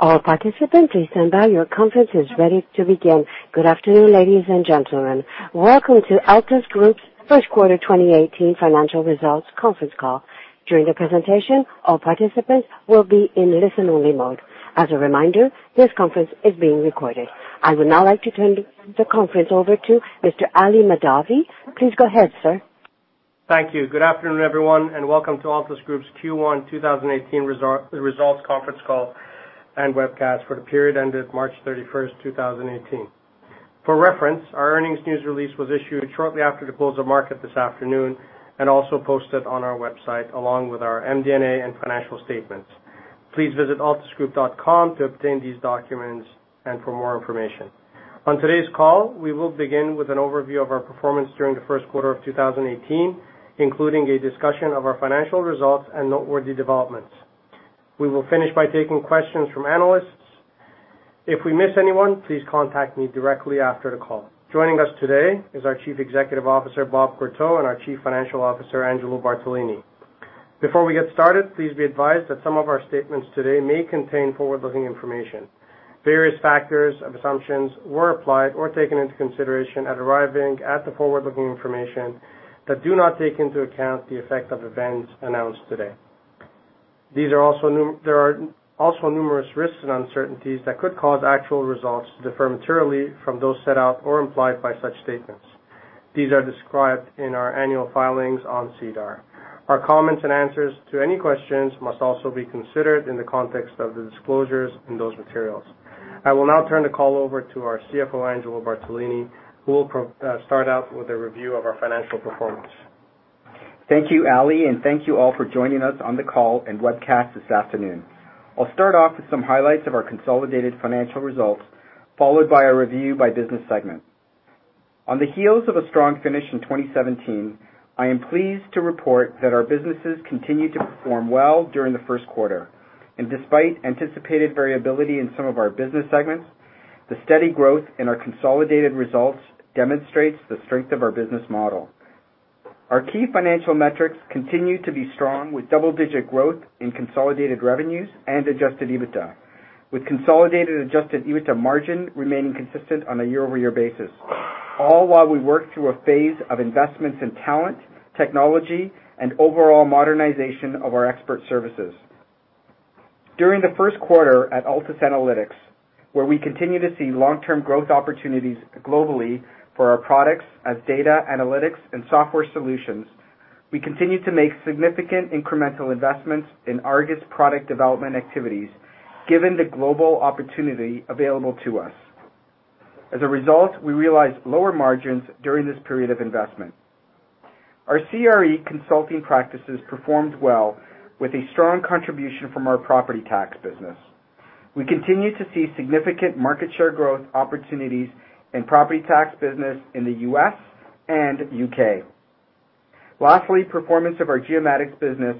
All participants, please stand by. Your conference is ready to begin. Good afternoon, ladies and gentlemen. Welcome to Altus Group's first quarter 2018 financial results conference call. During the presentation, all participants will be in listen-only mode. As a reminder, this conference is being recorded. I would now like to turn the conference over to Mr. Ali Mahdavi. Please go ahead, sir. Thank you. Good afternoon, everyone, and welcome to Altus Group's Q1 2018 results conference call and webcast for the period ended March 31st, 2018. For reference, our earnings news release was issued shortly after the close of market this afternoon, and also posted on our website along with our MD&A and financial statements. Please visit altusgroup.com to obtain these documents and for more information. On today's call, we will begin with an overview of our performance during the first quarter of 2018, including a discussion of our financial results and noteworthy developments. We will finish by taking questions from analysts. If we miss anyone, please contact me directly after the call. Joining us today is our Chief Executive Officer, Robert Courteau, and our Chief Financial Officer, Angelo Bartolini. Before we get started, please be advised that some of our statements today may contain forward-looking information. Various factors of assumptions were applied or taken into consideration at arriving at the forward-looking information that do not take into account the effect of events announced today. There are also numerous risks and uncertainties that could cause actual results to differ materially from those set out or implied by such statements. These are described in our annual filings on SEDAR. Our comments and answers to any questions must also be considered in the context of the disclosures in those materials. I will now turn the call over to our CFO, Angelo Bartolini, who will start out with a review of our financial performance. Thank you, Ali, and thank you all for joining us on the call and webcast this afternoon. I'll start off with some highlights of our consolidated financial results, followed by a review by business segment. On the heels of a strong finish in 2017, I am pleased to report that our businesses continued to perform well during the first quarter. Despite anticipated variability in some of our business segments, the steady growth in our consolidated results demonstrates the strength of our business model. Our key financial metrics continue to be strong, with double-digit growth in consolidated revenues and adjusted EBITDA, with consolidated adjusted EBITDA margin remaining consistent on a year-over-year basis, all while we work through a phase of investments in talent, technology, and overall modernization of our expert services. During the first quarter at Altus Analytics, where we continue to see long-term growth opportunities globally for our products as data analytics and software solutions, we continue to make significant incremental investments in ARGUS product development activities, given the global opportunity available to us. As a result, we realized lower margins during this period of investment. Our CRE consulting practices performed well with a strong contribution from our property tax business. We continue to see significant market share growth opportunities in property tax business in the U.S. and U.K. Lastly, performance of our Geomatics business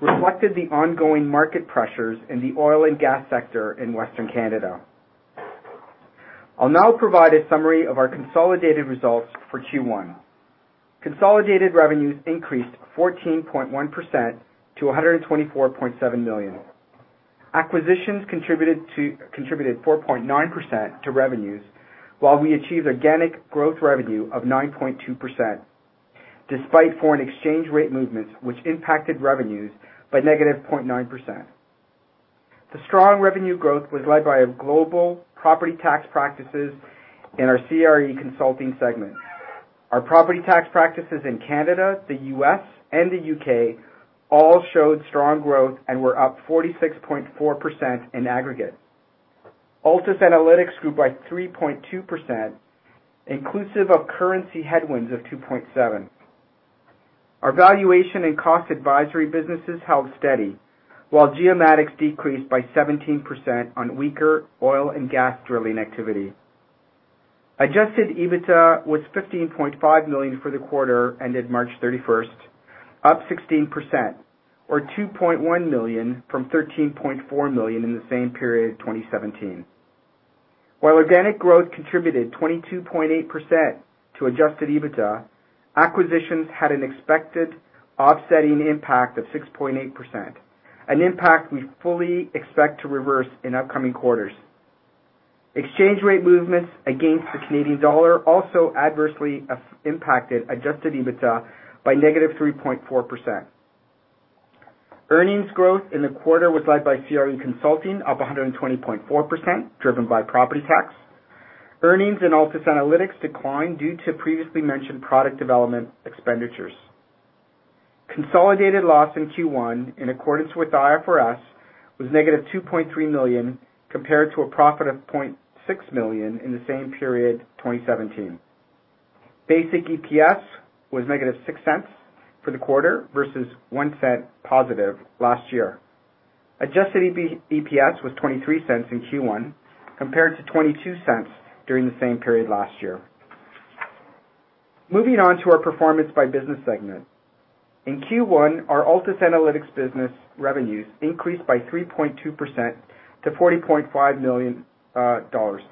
reflected the ongoing market pressures in the oil and gas sector in Western Canada. I'll now provide a summary of our consolidated results for Q1. Consolidated revenues increased 14.1% to 124.7 million. Acquisitions contributed 4.9% to revenues, while we achieved organic growth revenue of 9.2%, despite foreign exchange rate movements, which impacted revenues by -0.9%. The strong revenue growth was led by our global property tax practices in our CRE consulting segment. Our property tax practices in Canada, the U.S., and the U.K. all showed strong growth and were up 46.4% in aggregate. Altus Analytics grew by 3.2%, inclusive of currency headwinds of 2.7%. Our valuation and cost advisory businesses held steady, while Geomatics decreased by 17% on weaker oil and gas drilling activity. Adjusted EBITDA was 15.5 million for the quarter ended March 31st, up 16%, or 2.1 million from 13.4 million in the same period in 2017. While organic growth contributed 22.8% to Adjusted EBITDA, acquisitions had an expected offsetting impact of 6.8%, an impact we fully expect to reverse in upcoming quarters. Exchange rate movements against the Canadian dollar also adversely impacted Adjusted EBITDA by -3.4%. Earnings growth in the quarter was led by CRE consulting up 120.4%, driven by property tax. Earnings in Altus Analytics declined due to previously mentioned product development expenditures. Consolidated loss in Q1, in accordance with IFRS, was -2.3 million, compared to a profit of 0.6 million in the same period in 2017. Basic EPS was -0.06 for the quarter versus 0.01 positive last year. Adjusted EPS was 0.23 in Q1 compared to 0.22 during the same period last year. Moving on to our performance by business segment. In Q1, our Altus Analytics business revenues increased by 3.2% to 40.5 million dollars,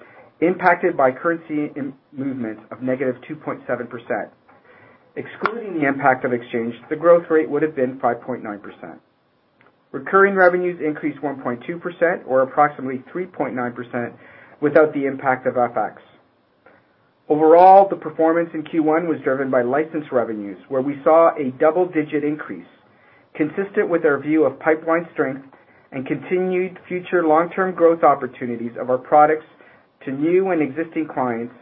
impacted by currency movements of -2.7%. Excluding the impact of exchange, the growth rate would have been 5.9%. Recurring revenues increased 1.2%, or approximately 3.9% without the impact of FX. Overall, the performance in Q1 was driven by license revenues, where we saw a double-digit increase consistent with our view of pipeline strength and continued future long-term growth opportunities of our products to new and existing clients,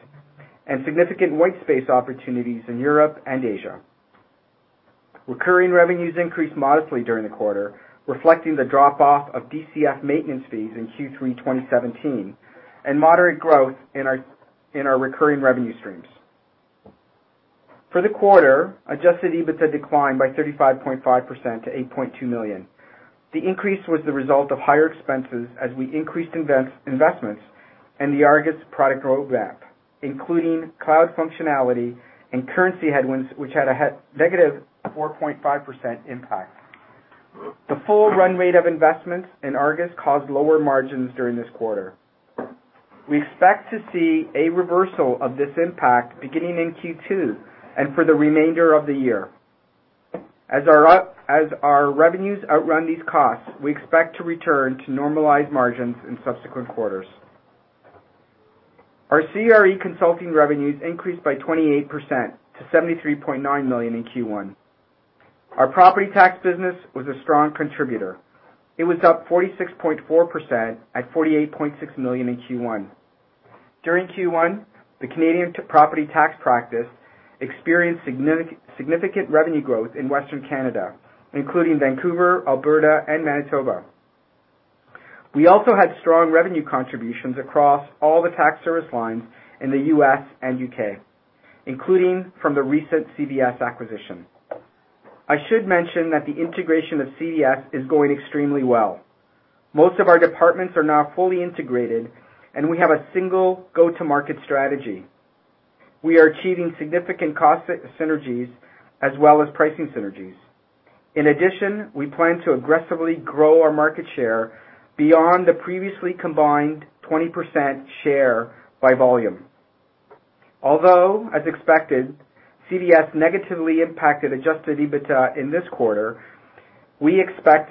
and significant white space opportunities in Europe and Asia. Recurring revenues increased modestly during the quarter, reflecting the drop-off of DCF maintenance fees in Q3 2017 and moderate growth in our recurring revenue streams. For the quarter, Adjusted EBITDA declined by 35.5% to 8.2 million. The increase was the result of higher expenses as we increased investments in the ARGUS product roadmap, including cloud functionality and currency headwinds, which had a negative 4.5% impact. The full run rate of investments in ARGUS caused lower margins during this quarter. We expect to see a reversal of this impact beginning in Q2, and for the remainder of the year. As our revenues outrun these costs, we expect to return to normalized margins in subsequent quarters. Our CRE consulting revenues increased by 28% to 73.9 million in Q1. Our property tax business was a strong contributor. It was up 46.4% at 48.6 million in Q1. During Q1, the Canadian property tax practice experienced significant revenue growth in Western Canada, including Vancouver, Alberta, and Manitoba. We also had strong revenue contributions across all the tax service lines in the U.S. and U.K., including from the recent CVS acquisition. I should mention that the integration of CVS is going extremely well. Most of our departments are now fully integrated, and we have a single go-to-market strategy. We are achieving significant cost synergies as well as pricing synergies. We plan to aggressively grow our market share beyond the previously combined 20% share by volume. As expected, CVS negatively impacted adjusted EBITDA in this quarter, we expect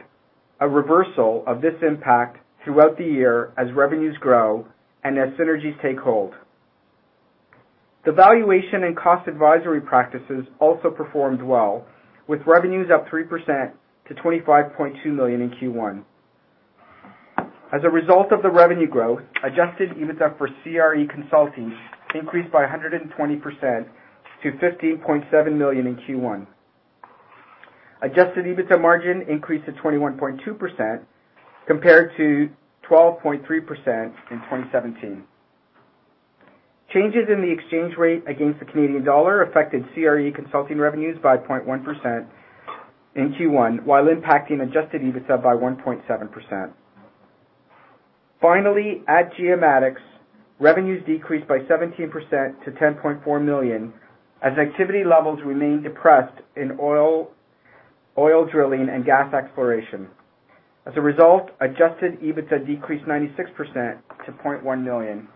a reversal of this impact throughout the year as revenues grow and as synergies take hold. The valuation and cost advisory practices also performed well, with revenues up 3% to 25.2 million in Q1. As a result of the revenue growth, adjusted EBITDA for CRE consulting increased by 120% to 15.7 million in Q1. Adjusted EBITDA margin increased to 21.2%, compared to 12.3% in 2017. Changes in the exchange rate against the Canadian dollar affected CRE consulting revenues by 0.1% in Q1, while impacting adjusted EBITDA by 1.7%. Finally, at Geomatics, revenues decreased by 17% to 10.4 million as activity levels remained depressed in oil drilling and gas exploration. As a result, adjusted EBITDA decreased 96% to 0.1 million.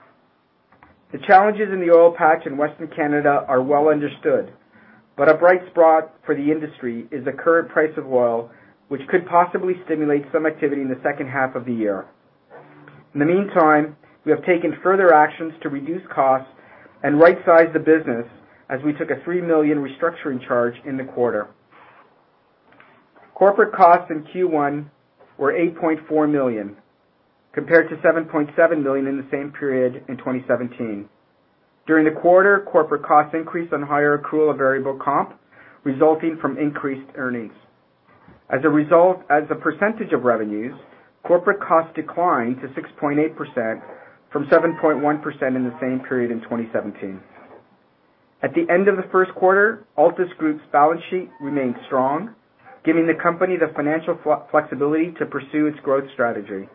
The challenges in the oil patch in Western Canada are well understood. A bright spot for the industry is the current price of oil, which could possibly stimulate some activity in the second half of the year. In the meantime, we have taken further actions to reduce costs and right-size the business as we took a 3 million restructuring charge in the quarter. Corporate costs in Q1 were 8.4 million, compared to 7.7 million in the same period in 2017. During the quarter, corporate costs increased on higher accrual of variable comp, resulting from increased earnings. As a percentage of revenues, corporate costs declined to 6.8% from 7.1% in the same period in 2017. At the end of the first quarter, Altus Group's balance sheet remained strong, giving the company the financial flexibility to pursue its growth strategy.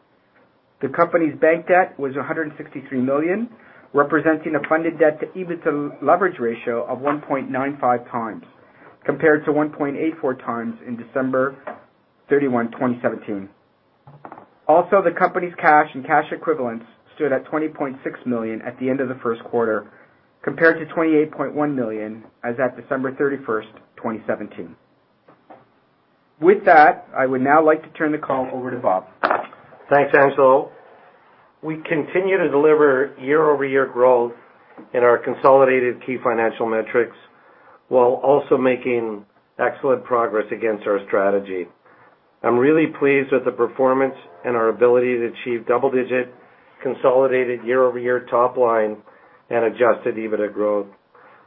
The company's bank debt was 163 million, representing a funded debt to EBITDA leverage ratio of 1.95 times, compared to 1.84 times in December 31, 2017. The company's cash and cash equivalents stood at 20.6 million at the end of the first quarter, compared to 28.1 million as at December 31st, 2017. With that, I would now like to turn the call over to Bob. Thanks, Angelo. We continue to deliver year-over-year growth in our consolidated key financial metrics while also making excellent progress against our strategy. I'm really pleased with the performance and our ability to achieve double-digit consolidated year-over-year top line and adjusted EBITDA growth.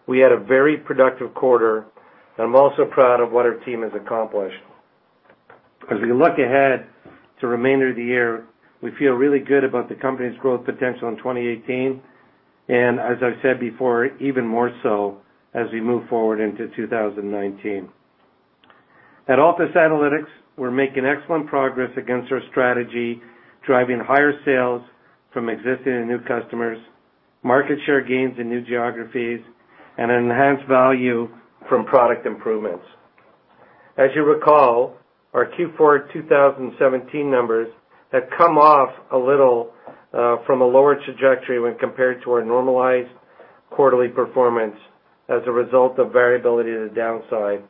We had a very productive quarter. I'm also proud of what our team has accomplished. As we look ahead to the remainder of the year, we feel really good about the company's growth potential in 2018. As I've said before, even more so as we move forward into 2019. At Altus Analytics, we're making excellent progress against our strategy, driving higher sales from existing and new customers, market share gains in new geographies, and enhanced value from product improvements. As you recall, our Q4 2017 numbers had come off a little from a lower trajectory when compared to our normalized quarterly performance as a result of variability to the downside,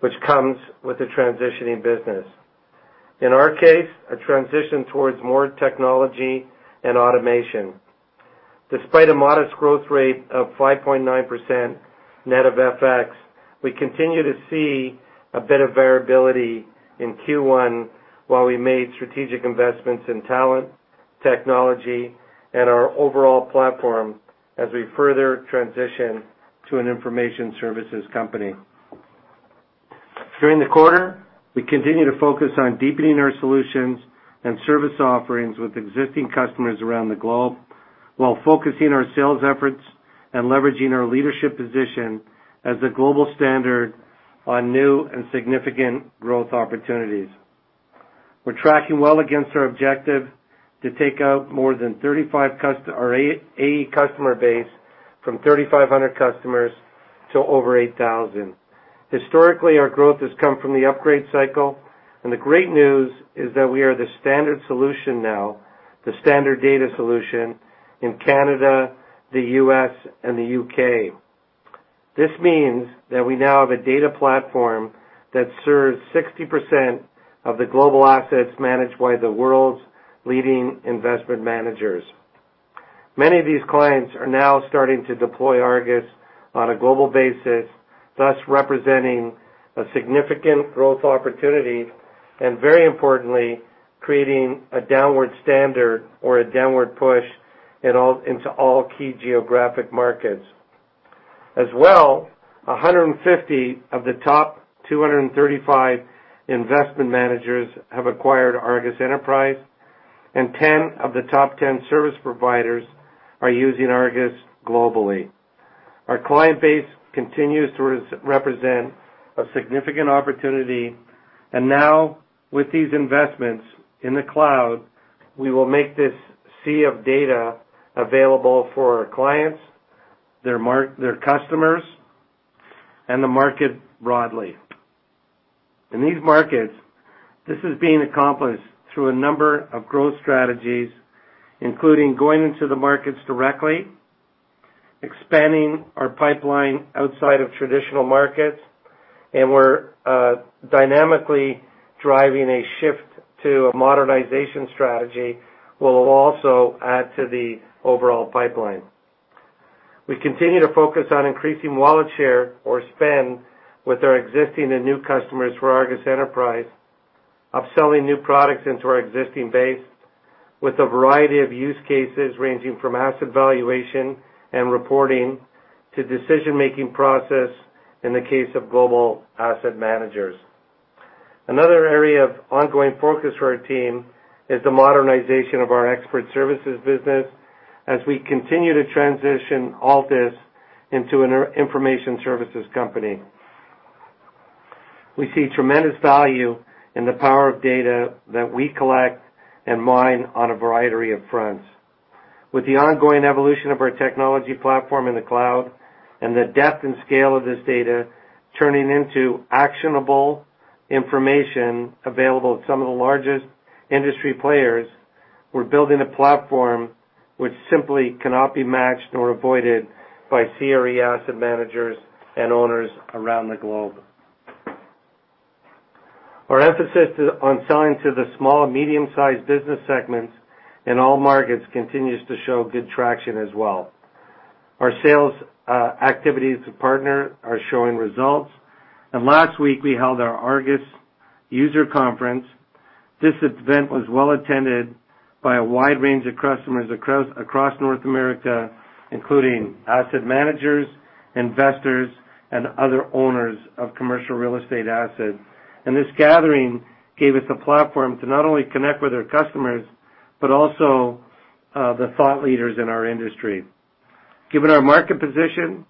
which comes with a transitioning business. In our case, a transition towards more technology and automation. Despite a modest growth rate of 5.9% net of FX, we continue to see a bit of variability in Q1 while we made strategic investments in talent, technology, and our overall platform as we further transition to an information services company. During the quarter, we continued to focus on deepening our solutions and service offerings with existing customers around the globe, while focusing our sales efforts and leveraging our leadership position as the global standard on new and significant growth opportunities. We're tracking well against our objective to take out our AE customer base from 3,500 customers to over 8,000. Historically, our growth has come from the upgrade cycle. The great news is that we are the standard data solution in Canada, the U.S., and the U.K. This means that we now have a data platform that serves 60% of the global assets managed by the world's leading investment managers. Many of these clients are now starting to deploy ARGUS on a global basis, thus representing a significant growth opportunity. Very importantly, creating a downward standard or a downward push into all key geographic markets. As well, 150 of the top 235 investment managers have acquired ARGUS Enterprise, and 10 of the top 10 service providers are using ARGUS globally. Our client base continues to represent a significant opportunity. Now with these investments in the cloud, we will make this sea of data available for our clients, their customers, and the market broadly. In these markets, this is being accomplished through a number of growth strategies, including going into the markets directly, expanding our pipeline outside of traditional markets, and we're dynamically driving a shift to a modernization strategy will also add to the overall pipeline. We continue to focus on increasing wallet share or spend with our existing and new customers for ARGUS Enterprise, upselling new products into our existing base with a variety of use cases ranging from asset valuation and reporting to decision-making process in the case of global asset managers. Another area of ongoing focus for our team is the modernization of our expert services business as we continue to transition Altus into an information services company. We see tremendous value in the power of data that we collect and mine on a variety of fronts. With the ongoing evolution of our technology platform in the cloud and the depth and scale of this data turning into actionable information available to some of the largest industry players, we're building a platform which simply cannot be matched nor avoided by CRE asset managers and owners around the globe. Our emphasis on selling to the small and medium-sized business segments in all markets continues to show good traction as well. Our sales activities to partner are showing results. Last week, we held our ARGUS User Conference. This event was well attended by a wide range of customers across North America, including asset managers, investors, and other owners of commercial real estate assets. This gathering gave us a platform to not only connect with our customers, but also the thought leaders in our industry. Given our market position,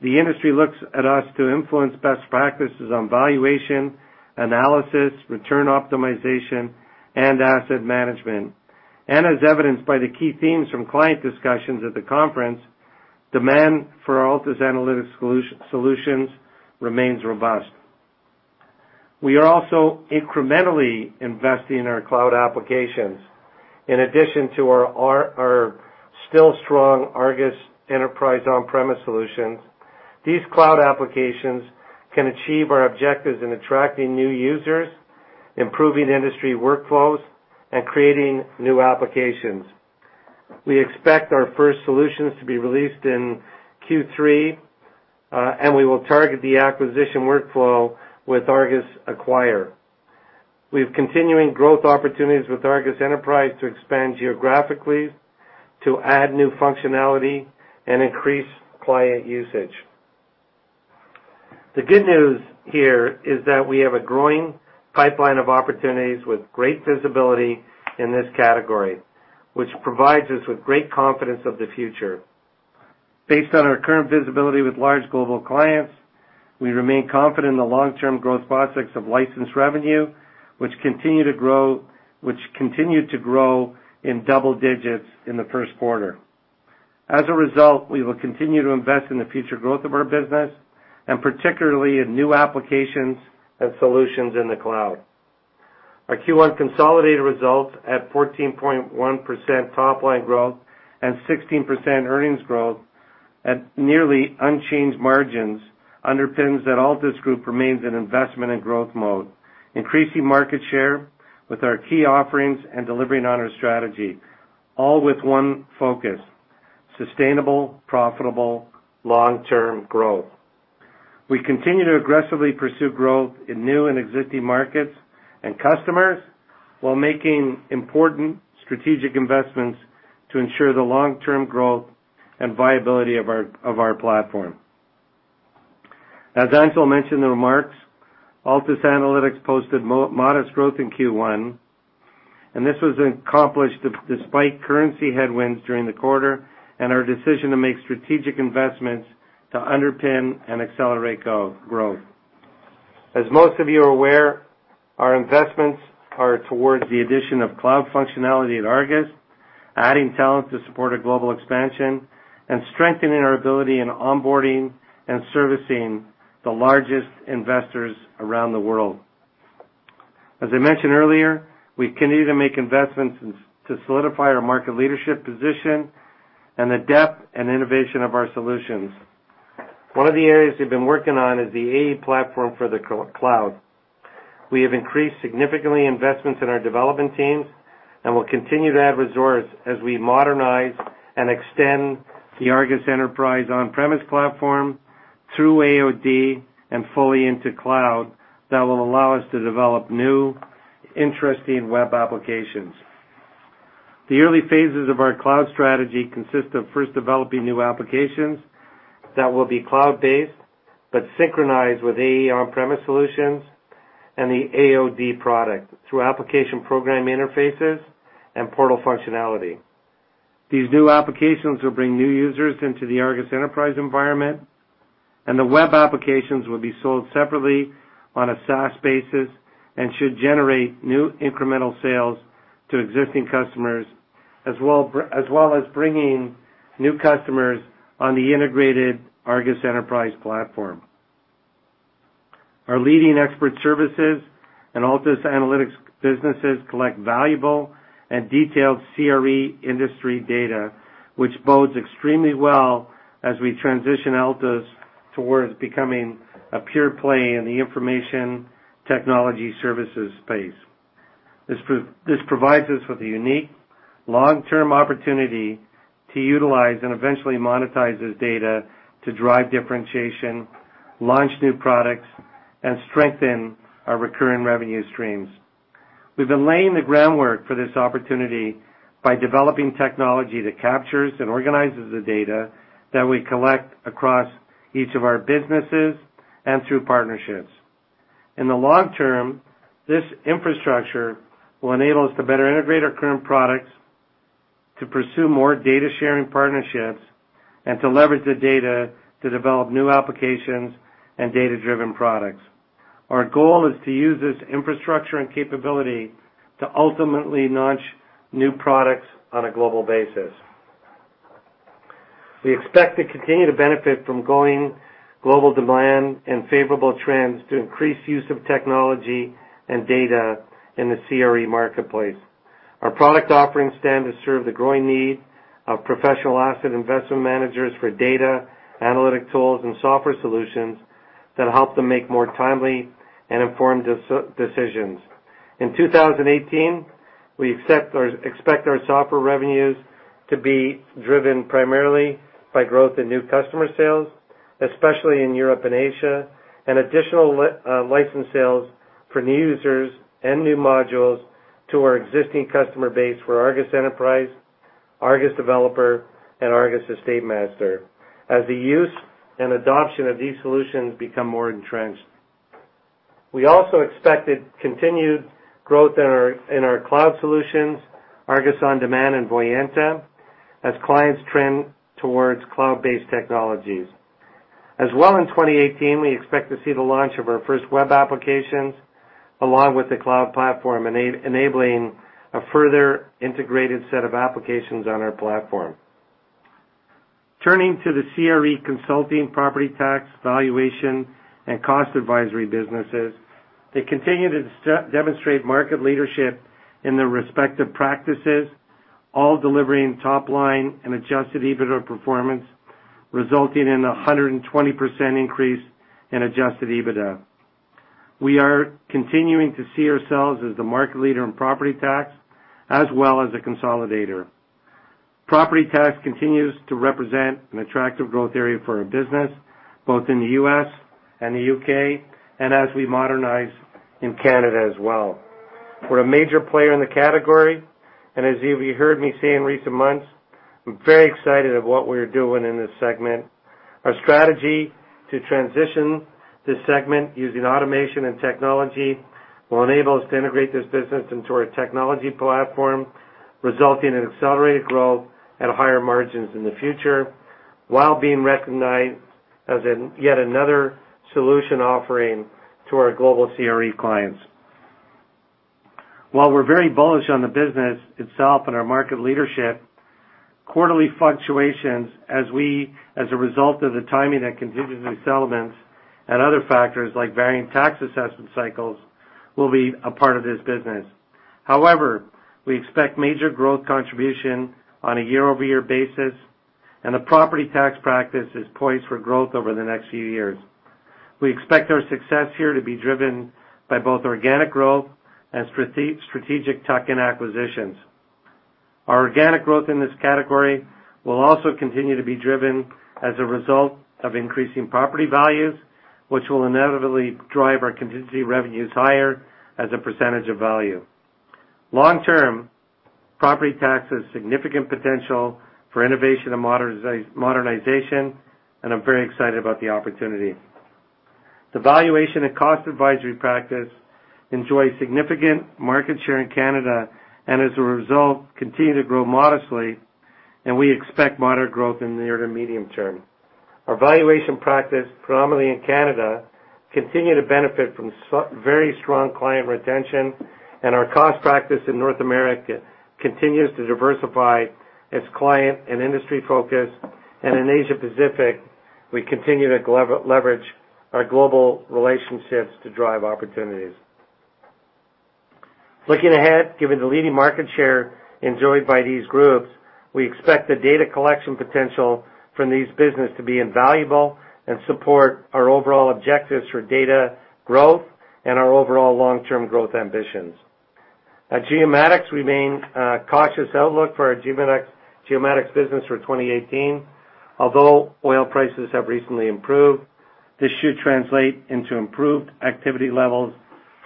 the industry looks at us to influence best practices on valuation, analysis, return optimization, and asset management. As evidenced by the key themes from client discussions at the conference, demand for our Altus Analytics solutions remains robust. We are also incrementally investing in our cloud applications. In addition to our still strong ARGUS Enterprise on-premise solutions, these cloud applications can achieve our objectives in attracting new users, improving industry workflows, and creating new applications. We expect our first solutions to be released in Q3, and we will target the acquisition workflow with ARGUS Acquire. We have continuing growth opportunities with ARGUS Enterprise to expand geographically, to add new functionality, and increase client usage. The good news here is that we have a growing pipeline of opportunities with great visibility in this category, which provides us with great confidence of the future. Based on our current visibility with large global clients, we remain confident in the long-term growth prospects of licensed revenue, which continued to grow in double digits in the first quarter. As a result, we will continue to invest in the future growth of our business, and particularly in new applications and solutions in the cloud. Our Q1 consolidated results at 14.1% top-line growth and 16% earnings growth at nearly unchanged margins underpins that Altus Group remains in investment and growth mode, increasing market share with our key offerings and delivering on our strategy, all with one focus: sustainable, profitable, long-term growth. We continue to aggressively pursue growth in new and existing markets and customers while making important strategic investments to ensure the long-term growth and viability of our platform. As Angelo mentioned in the remarks, Altus Analytics posted modest growth in Q1. This was accomplished despite currency headwinds during the quarter and our decision to make strategic investments to underpin and accelerate growth. As most of you are aware, our investments are towards the addition of cloud functionality at ARGUS, adding talent to support a global expansion, and strengthening our ability in onboarding and servicing the largest investors around the world. As I mentioned earlier, we continue to make investments to solidify our market leadership position and the depth and innovation of our solutions. One of the areas we've been working on is the AE platform for the cloud. We have increased significantly investments in our development teams and will continue to add resources as we modernize and extend the ARGUS Enterprise on-premise platform through AOD and fully into cloud that will allow us to develop new, interesting web applications. The early phases of our cloud strategy consist of first developing new applications that will be cloud-based but synchronized with ARGUS Enterprise on-premise solutions and the AOD product through application programming interfaces and portal functionality. These new applications will bring new users into the ARGUS Enterprise environment, and the web applications will be sold separately on a SaaS basis and should generate new incremental sales to existing customers, as well as bringing new customers on the integrated ARGUS Enterprise platform. Our leading expert services and Altus Analytics businesses collect valuable and detailed CRE industry data, which bodes extremely well as we transition Altus towards becoming a pure play in the information technology services space. This provides us with a unique long-term opportunity to utilize and eventually monetize this data to drive differentiation, launch new products, and strengthen our recurring revenue streams. We've been laying the groundwork for this opportunity by developing technology that captures and organizes the data that we collect across each of our businesses and through partnerships. In the long term, this infrastructure will enable us to better integrate our current products, to pursue more data-sharing partnerships, and to leverage the data to develop new applications and data-driven products. Our goal is to use this infrastructure and capability to ultimately launch new products on a global basis. We expect to continue to benefit from growing global demand and favorable trends to increase use of technology and data in the CRE marketplace. Our product offerings stand to serve the growing need of professional asset investment managers for data, analytic tools, and software solutions that help them make more timely and informed decisions. In 2018, we expect our software revenues to be driven primarily by growth in new customer sales, especially in Europe and Asia, and additional license sales for new users and new modules to our existing customer base for ARGUS Enterprise, ARGUS Developer, and ARGUS EstateMaster as the use and adoption of these solutions become more entrenched. We also expected continued growth in our cloud solutions, ARGUS On Demand and Voyanta, as clients trend towards cloud-based technologies. As well in 2018, we expect to see the launch of our first web applications, along with the cloud platform, enabling a further integrated set of applications on our platform. Turning to the CRE consulting property tax valuation and cost advisory businesses, they continue to demonstrate market leadership in their respective practices, all delivering top-line and adjusted EBITDA performance, resulting in a 120% increase in adjusted EBITDA. We are continuing to see ourselves as the market leader in property tax, as well as a consolidator. Property tax continues to represent an attractive growth area for our business, both in the U.S. and the U.K., and as we modernize in Canada as well. We're a major player in the category, and as you've heard me say in recent months, I'm very excited of what we're doing in this segment. Our strategy to transition this segment using automation and technology will enable us to integrate this business into our technology platform, resulting in accelerated growth at higher margins in the future while being recognized as yet another solution offering to our global CRE clients. While we're very bullish on the business itself and our market leadership, quarterly fluctuations as a result of the timing of contingency settlements and other factors like varying tax assessment cycles will be a part of this business. However, we expect major growth contribution on a year-over-year basis, and the property tax practice is poised for growth over the next few years. We expect our success here to be driven by both organic growth and strategic tuck-in acquisitions. Our organic growth in this category will also continue to be driven as a result of increasing property values, which will inevitably drive our contingency revenues higher as a percentage of value. Long term, property tax has significant potential for innovation and modernization, and I'm very excited about the opportunity. The valuation and cost advisory practice enjoys significant market share in Canada and, as a result, continues to grow modestly, and we expect moderate growth in the near to medium term. Our valuation practice, predominantly in Canada, continues to benefit from very strong client retention, and our cost practice in North America continues to diversify its client and industry focus, and in Asia Pacific, we continue to leverage our global relationships to drive opportunities. Looking ahead, given the leading market share enjoyed by these groups, we expect the data collection potential from these businesses to be invaluable and support our overall objectives for data growth and our overall long-term growth ambitions. At Geomatics, we remain cautious outlook for our Geomatics business for 2018. Although oil prices have recently improved, this should translate into improved activity levels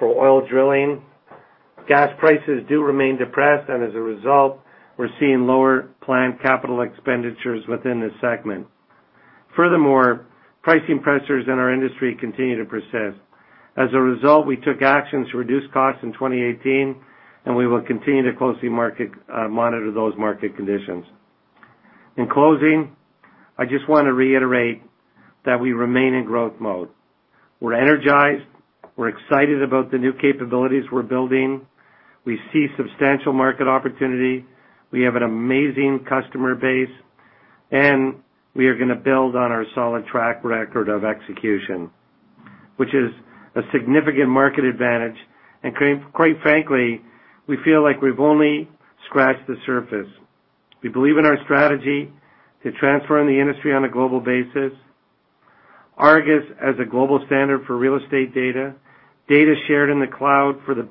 for oil drilling. Gas prices do remain depressed, and as a result, we're seeing lower planned capital expenditures within this segment. Furthermore, pricing pressures in our industry continue to persist. As a result, we took action to reduce costs in 2018, and we will continue to closely monitor those market conditions. In closing, I just want to reiterate that we remain in growth mode. We're energized, we're excited about the new capabilities we're building. We see substantial market opportunity. We have an amazing customer base, and we are going to build on our solid track record of execution, which is a significant market advantage. Quite frankly, we feel like we've only scratched the surface. We believe in our strategy to transforming the industry on a global basis. ARGUS as a global standard for real estate data shared in the cloud for the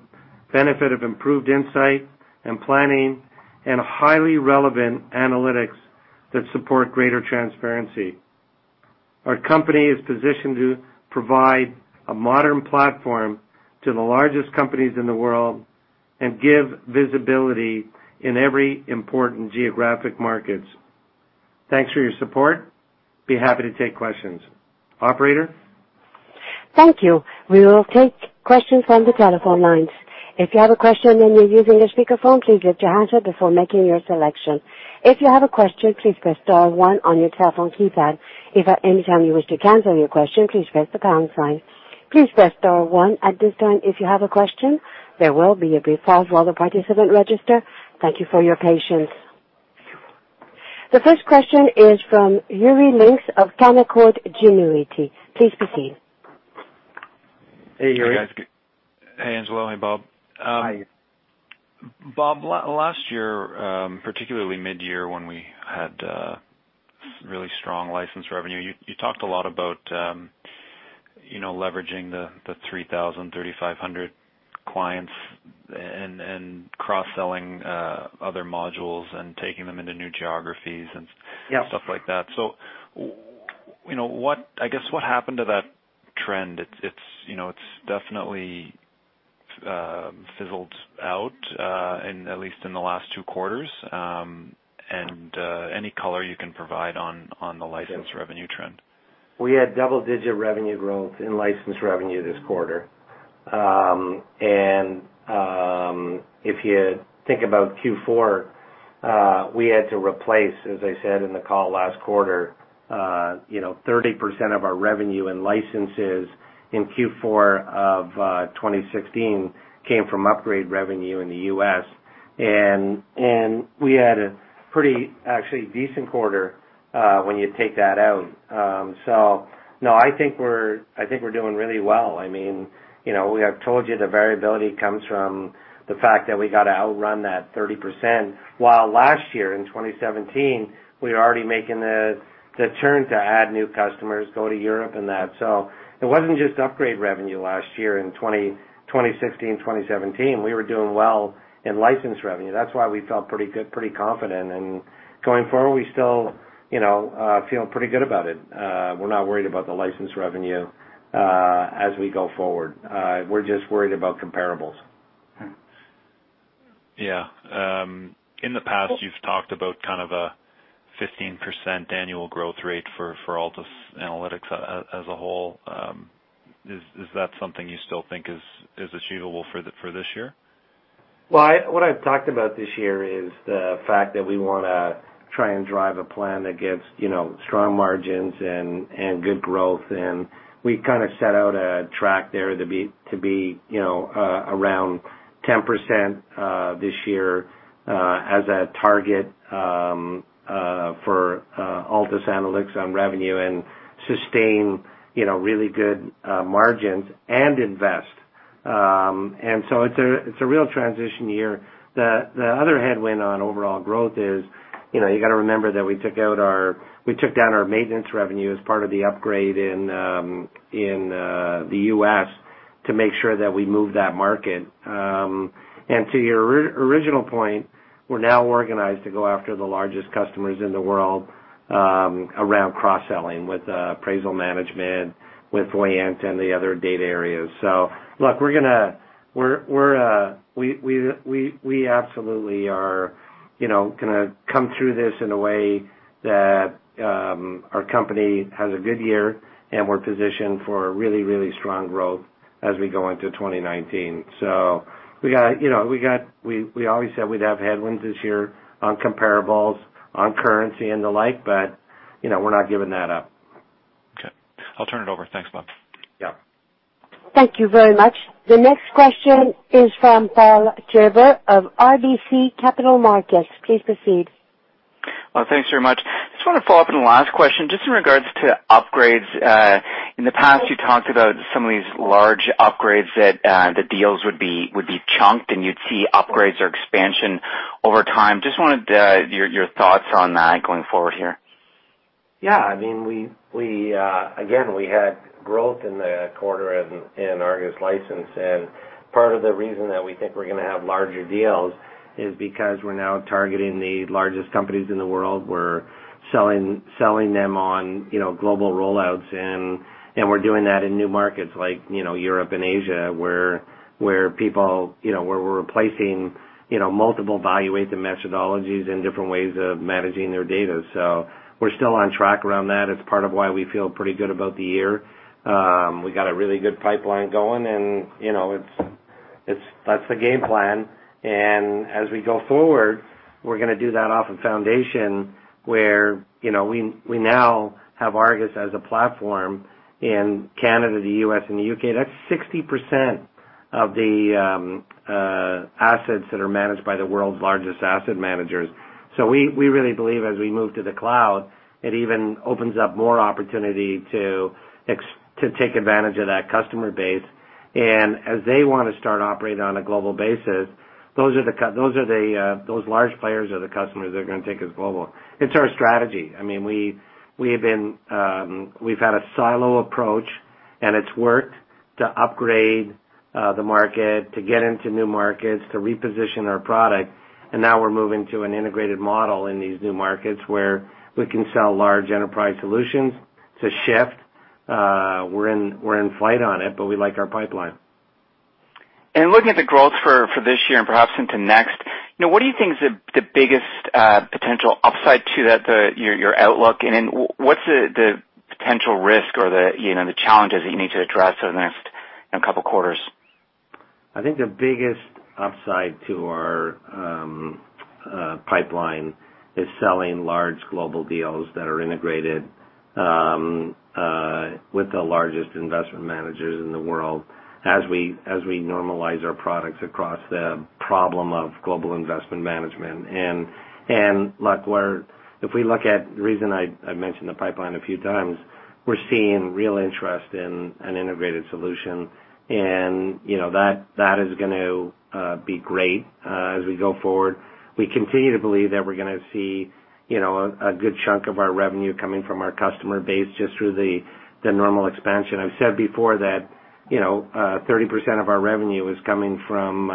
benefit of improved insight and planning, and highly relevant analytics that support greater transparency. Our company is positioned to provide a modern platform to the largest companies in the world and give visibility in every important geographic markets. Thanks for your support. I'd be happy to take questions. Operator? Thank you. We will take questions from the telephone lines. If you have a question and you're using a speakerphone, please mute your handset before making your selection. If you have a question, please press star one on your telephone keypad. If at any time you wish to cancel your question, please press the pound sign. Please press star one at this time if you have a question. There will be a brief pause while the participant register. Thank you for your patience. The first question is from Yuri Lynk of Canaccord Genuity. Please proceed. Hey, Yuri. Hey, guys. Hey, Angelo. Hey, Bob. Hi. Bob, last year, particularly midyear when we had really strong license revenue, you talked a lot about leveraging the 3,000, 3,500 clients and cross-selling other modules and taking them into new geographies. Yeah I guess what happened to that trend? It's definitely fizzled out, at least in the last two quarters. Any color you can provide on the license revenue trend. We had double-digit revenue growth in license revenue this quarter. If you think about Q4, we had to replace, as I said in the call last quarter, 30% of our revenue and licenses in Q4 2016 came from upgrade revenue in the U.S. We had a pretty, actually, decent quarter, when you take that out. No, I think we're doing really well. We have told you the variability comes from the fact that we got to outrun that 30%, while last year in 2017, we were already making the turn to add new customers, go to Europe and that. It wasn't just upgrade revenue last year in 2016, 2017. We were doing well in license revenue. That's why we felt pretty good, pretty confident. Going forward, we still feel pretty good about it. We're not worried about the license revenue as we go forward. We're just worried about comparables. Yeah. In the past, you've talked about kind of a 15% annual growth rate for Altus Analytics as a whole. Is that something you still think is achievable for this year? What I've talked about this year is the fact that we want to try and drive a plan that gets strong margins and good growth. We set out a track there to be around 10% this year as a target for Altus Analytics on revenue and sustain really good margins and invest. It's a real transition year. The other headwind on overall growth is, you got to remember that we took down our maintenance revenue as part of the upgrade in the U.S. to make sure that we move that market. To your original point, we're now organized to go after the largest customers in the world, around cross-selling with appraisal management, with Voyanta and the other data areas. Look, we absolutely are going to come through this in a way that our company has a good year, and we're positioned for a really strong growth as we go into 2019. We always said we'd have headwinds this year on comparables, on currency, and the like. We're not giving that up. Okay. I'll turn it over. Thanks, Bob. Yeah. Thank you very much. The next question is from Paul Treiber of RBC Capital Markets. Please proceed. Well, thanks very much. I just want to follow up on the last question, just in regards to upgrades. In the past, you talked about some of these large upgrades, that the deals would be chunked, and you'd see upgrades or expansion over time. Just wanted your thoughts on that going forward here. Yeah. We had growth in the quarter in ARGUS license. Part of the reason that we think we're going to have larger deals is because we're now targeting the largest companies in the world. We're selling them on global rollouts. We're doing that in new markets like Europe and Asia, where we're replacing multiple valuation methodologies and different ways of managing their data. We're still on track around that. It's part of why we feel pretty good about the year. We got a really good pipeline going. That's the game plan. As we go forward, we're going to do that off a foundation where we now have ARGUS as a platform in Canada, the U.S., and the U.K. That's 60% of the assets that are managed by the world's largest asset managers. We really believe as we move to the cloud, it even opens up more opportunity to take advantage of that customer base. As they want to start operating on a global basis, those large players are the customers that are going to take us global. It's our strategy. We've had a silo approach. It's worked to upgrade the market, to get into new markets, to reposition our product. Now we're moving to an integrated model in these new markets where we can sell large enterprise solutions. It's a shift. We're in flight on it. We like our pipeline. Looking at the growth for this year and perhaps into next, what do you think is the biggest potential upside to your outlook? What's the potential risk or the challenges that you need to address over the next couple of quarters? I think the biggest upside to our pipeline is selling large global deals that are integrated with the largest investment managers in the world as we normalize our products across the problem of global investment management. Look, if we look at the reason I mentioned the pipeline a few times, we're seeing real interest in an integrated solution. That is going to be great as we go forward. We continue to believe that we're going to see a good chunk of our revenue coming from our customer base just through the normal expansion. I've said before that 30% of our revenue is coming from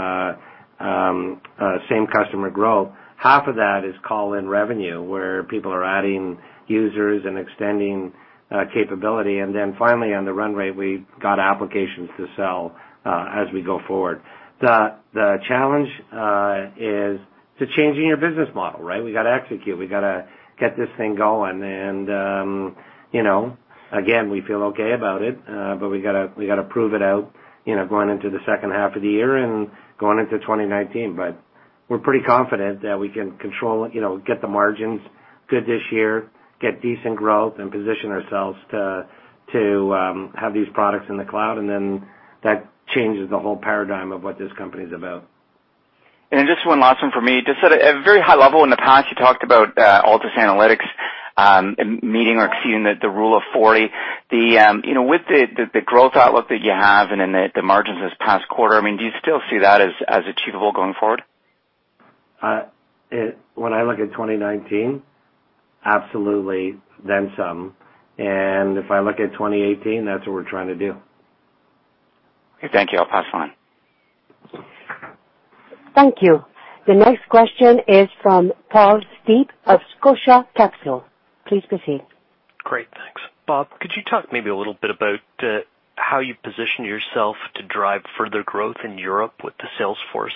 same customer growth. Half of that is call-in revenue, where people are adding users and extending capability. Then finally, on the run rate, we got applications to sell as we go forward. The challenge is to changing your business model, right? We got to execute. We got to get this thing going. Again, we feel okay about it. We got to prove it out going into the second half of the year and going into 2019. We're pretty confident that we can get the margins good this year, get decent growth, and position ourselves to have these products in the cloud, then that changes the whole paradigm of what this company is about. Just one last one for me. Just at a very high level, in the past, you talked about Altus Analytics meeting or exceeding the Rule of 40. With the growth outlook that you have and the margins this past quarter, do you still see that as achievable going forward? When I look at 2019, absolutely, then some. If I look at 2018, that's what we're trying to do. Okay, thank you. I'll pass the line. Thank you. The next question is from Paul Steed of Scotia Capital. Please proceed. Great. Thanks. Bob, could you talk maybe a little bit about how you position yourself to drive further growth in Europe with the sales force?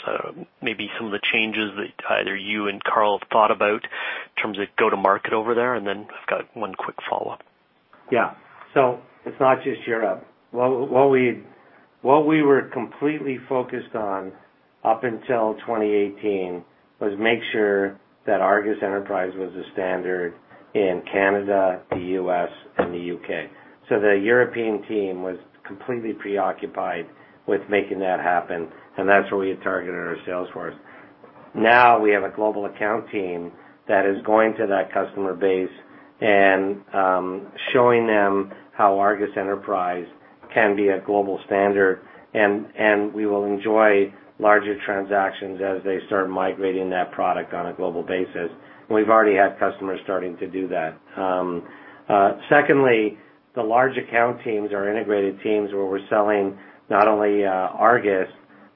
Maybe some of the changes that either you and Carl have thought about in terms of go to market over there, and then I've got one quick follow-up. Yeah. It's not just Europe. What we were completely focused on up until 2018 was make sure that ARGUS Enterprise was the standard in Canada, the U.S., and the U.K. The European team was completely preoccupied with making that happen, and that's where we had targeted our sales force. Now we have a global account team that is going to that customer base and showing them how ARGUS Enterprise can be a global standard, and we will enjoy larger transactions as they start migrating that product on a global basis. We've already had customers starting to do that. Secondly, the large account teams are integrated teams where we're selling not only ARGUS,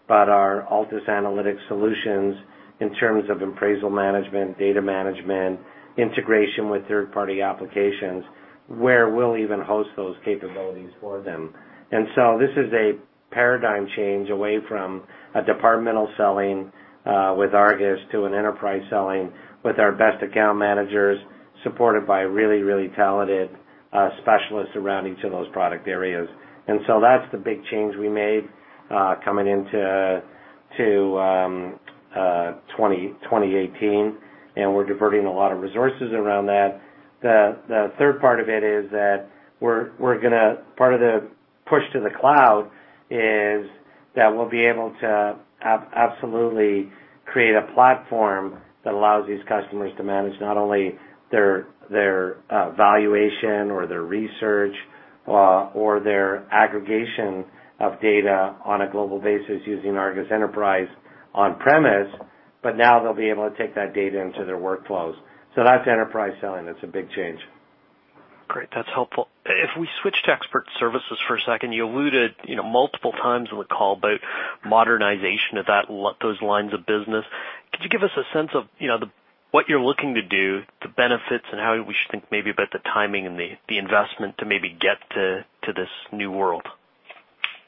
but our Altus Analytics solutions in terms of appraisal management, data management, integration with third-party applications, where we'll even host those capabilities for them. This is a paradigm change away from a departmental selling with ARGUS to an enterprise selling with our best account managers, supported by really talented specialists around each of those product areas. That's the big change we made coming into 2018, and we're diverting a lot of resources around that. The third part of it is that part of the push to the cloud is that we'll be able to absolutely create a platform that allows these customers to manage not only their valuation or their research, or their aggregation of data on a global basis using ARGUS Enterprise on-premise, but now they'll be able to take that data into their workflows. That's enterprise selling. That's a big change. Great. That's helpful. If we switch to expert services for a second, you alluded multiple times on the call about modernization of those lines of business. Could you give us a sense of what you're looking to do, the benefits, and how we should think maybe about the timing and the investment to maybe get to this new world?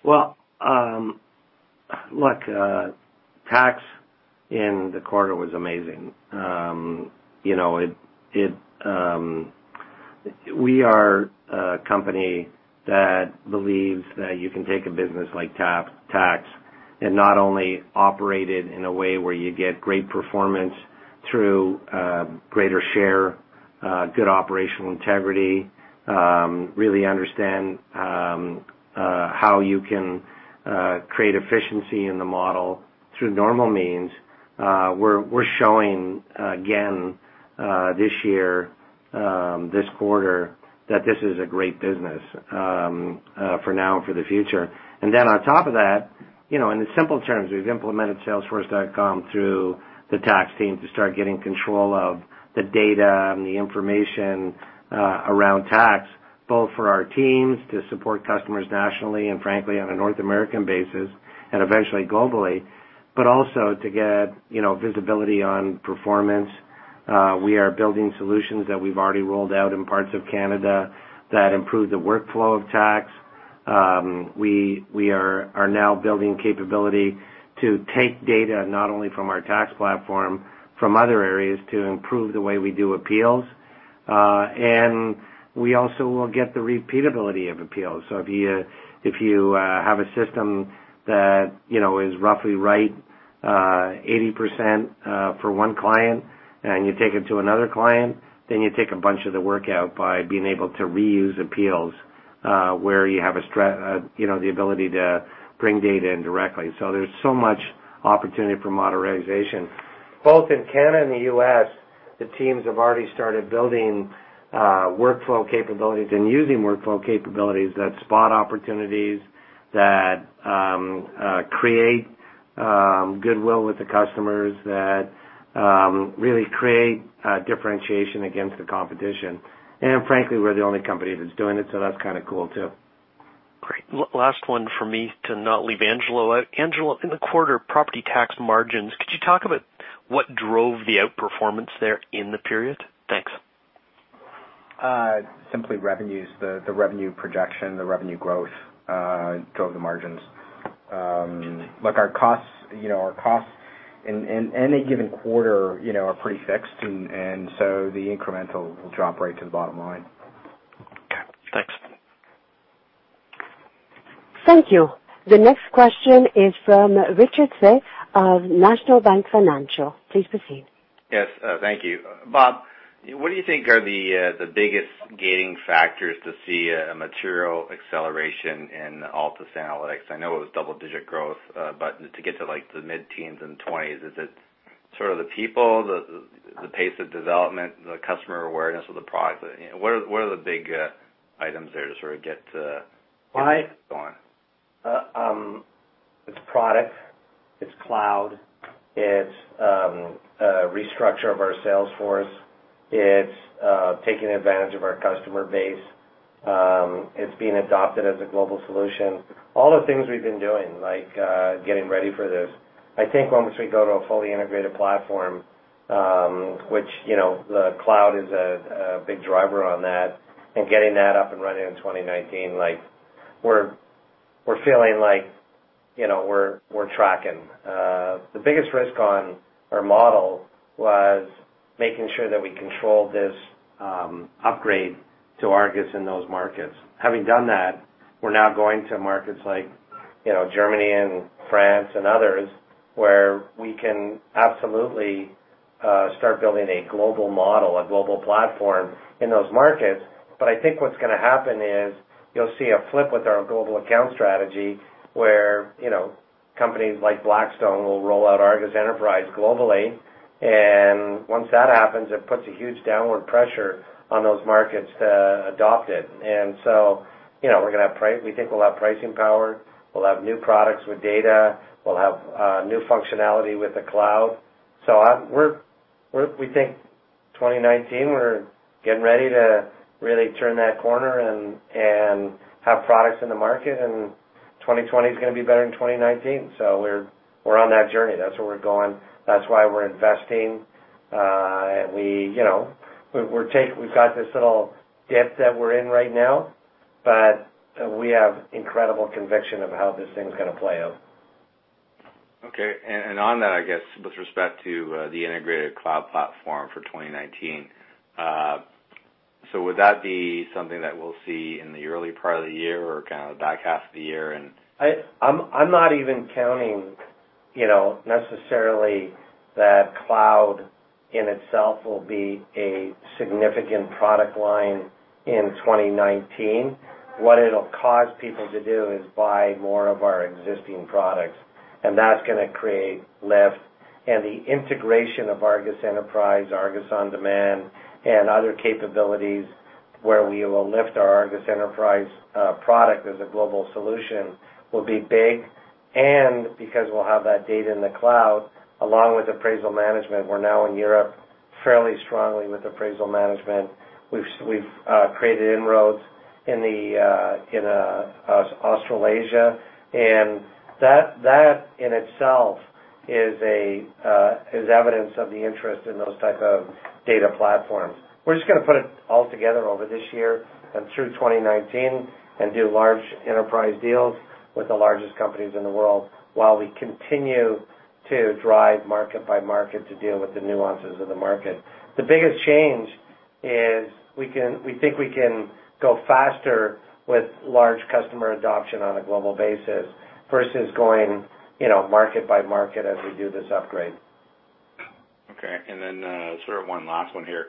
Well, look, tax in the quarter was amazing. We are a company that believes that you can take a business like tax and not only operate it in a way where you get great performance through greater share, good operational integrity, really understand how you can create efficiency in the model through normal means. We're showing again this year, this quarter, that this is a great business for now and for the future. On top of that, in the simple terms, we've implemented Salesforce.com through the tax team to start getting control of the data and the information around tax, both for our teams to support customers nationally and frankly, on a North American basis, and eventually globally, but also to get visibility on performance. We are building solutions that we've already rolled out in parts of Canada that improve the workflow of tax. We are now building capability to take data not only from our tax platform, from other areas to improve the way we do appeals. We also will get the repeatability of appeals. If you have a system that is roughly right, 80% for one client and you take it to another client, then you take a bunch of the work out by being able to reuse appeals where you have the ability to bring data in directly. There's so much opportunity for modernization. Both in Canada and the U.S., the teams have already started building workflow capabilities and using workflow capabilities that spot opportunities, that create goodwill with the customers, that really create differentiation against the competition. Frankly, we're the only company that's doing it, so that's kind of cool too. Great. Last one for me to not leave Angelo out. Angelo, in the quarter property tax margins, could you talk about what drove the outperformance there in the period? Thanks. Simply revenues. The revenue projection, the revenue growth drove the margins. Look, our costs in any given quarter are pretty fixed, the incremental will drop right to the bottom line. Okay, thanks. Thank you. The next question is from Richard Tse of National Bank Financial. Please proceed. Yes. Thank you. Bob, what do you think are the biggest gating factors to see a material acceleration in Altus Analytics? I know it was double-digit growth, but to get to the mid-teens and twenties, is it sort of the people, the pace of development, the customer awareness of the product? What are the big items there to sort of get going? It's product, it's cloud, it's restructure of our sales force, it's taking advantage of our customer base, it's being adopted as a global solution. All the things we've been doing, like getting ready for this. I think once we go to a fully integrated platform, which the cloud is a big driver on that, and getting that up and running in 2019, We're feeling like we're tracking. The biggest risk on our model was making sure that we control this upgrade to ARGUS in those markets. Having done that, we're now going to markets like Germany and France and others, where we can absolutely start building a global model, a global platform in those markets. I think what's going to happen is you'll see a flip with our global account strategy where companies like Blackstone will roll out ARGUS Enterprise globally. Once that happens, it puts a huge downward pressure on those markets to adopt it. We think we'll have pricing power. We'll have new products with data. We'll have new functionality with the cloud. We think 2019, we're getting ready to really turn that corner and have products in the market, and 2020 is going to be better than 2019. We're on that journey. That's where we're going. That's why we're investing. We've got this little dip that we're in right now, but we have incredible conviction of how this thing's going to play out. Okay. On that, I guess, with respect to the integrated cloud platform for 2019. Would that be something that we'll see in the early part of the year or kind of back half of the year? I'm not even counting necessarily that cloud in itself will be a significant product line in 2019. What it'll cause people to do is buy more of our existing products, and that's going to create lift. The integration of ARGUS Enterprise, ARGUS On Demand, and other capabilities where we will lift our ARGUS Enterprise product as a global solution will be big. Because we'll have that data in the cloud, along with appraisal management, we're now in Europe fairly strongly with appraisal management. We've created inroads in Australasia, and that in itself is evidence of the interest in those type of data platforms. We're just going to put it all together over this year and through 2019 and do large enterprise deals with the largest companies in the world while we continue to drive market by market to deal with the nuances of the market. The biggest change is we think we can go faster with large customer adoption on a global basis versus going market by market as we do this upgrade. Okay, sort of one last one here.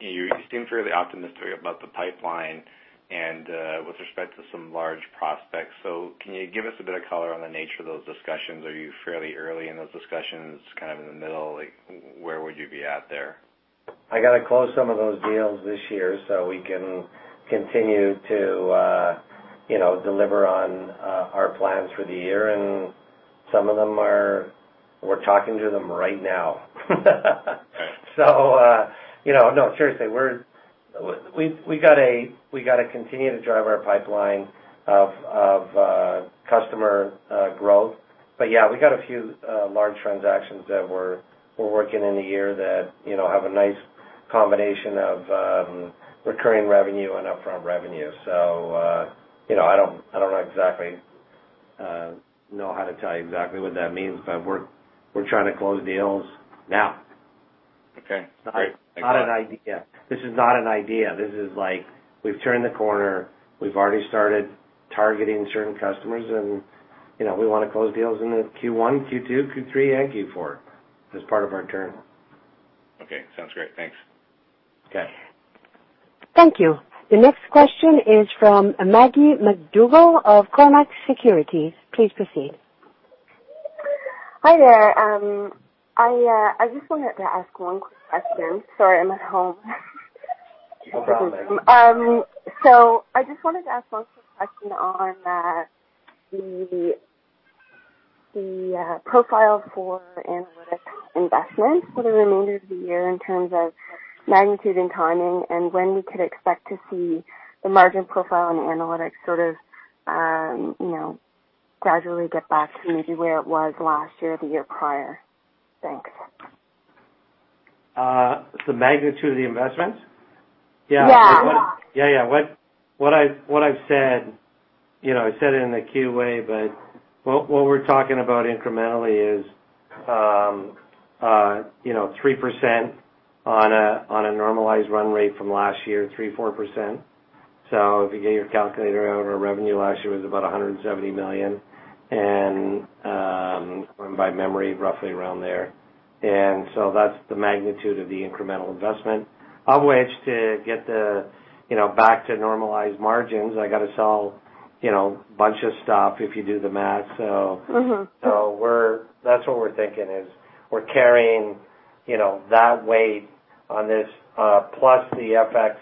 You seem fairly optimistic about the pipeline and with respect to some large prospects. Can you give us a bit of color on the nature of those discussions? Are you fairly early in those discussions, kind of in the middle? Where would you be at there? I got to close some of those deals this year so we can continue to deliver on our plans for the year. Some of them, we're talking to them right now. No, seriously, we've got to continue to drive our pipeline of customer growth. Yeah, we got a few large transactions that we're working in the year that have a nice combination of recurring revenue and upfront revenue. I don't exactly know how to tell you exactly what that means, but we're trying to close deals now. Okay, great. Thanks a lot. This is not an idea. This is like we've turned the corner. We've already started targeting certain customers. We want to close deals in the Q1, Q2, Q3, and Q4 as part of our journey. Okay, sounds great. Thanks. Okay. Thank you. The next question is from Maggie MacDougall of Cormark Securities. Please proceed. Hi there. I just wanted to ask one question. Sorry, I'm at home. No problem. I just wanted to ask one quick question on the profile for analytics investments for the remainder of the year in terms of magnitude and timing and when we could expect to see the margin profile and analytics sort of gradually get back to maybe where it was last year or the year prior. Thanks. The magnitude of the investment? Yeah. Yeah. What I've said, I said it in the QA, what we're talking about incrementally is 3% on a normalized run rate from last year, 3%-4%. If you get your calculator out, our revenue last year was about 170 million, and going by memory, roughly around there. That's the magnitude of the incremental investment. Of which to get back to normalized margins, I got to sell a bunch of stuff if you do the math. That's what we're thinking is we're carrying that weight on this plus the FX